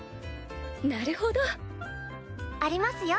なるほど！ありますよ